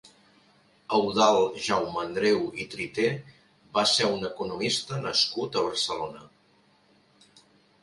Eudald Jaumeandreu i Triter va ser un economista nascut a Barcelona.